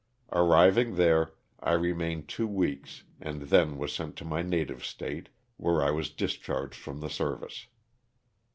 Ar riving there I remained two weeks and then was sent to my native State, where I was discharged from the service.